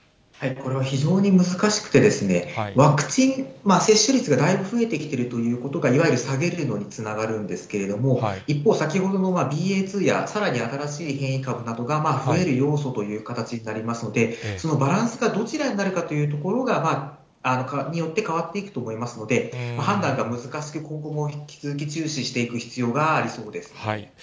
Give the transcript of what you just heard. これは非常に難しくて、ワクチン接種率がだいぶ増えてきてるということが、いわゆる下げというのにつながるんですけれども、一方、先ほどのＢＡ．２や、さらに新しい変異株などが増える要素という形になりますので、そのバランスがどちらになるかというところによって変わっていくと思いますので、判断が難しく、今後も引き続き注視していく必要がありそうです。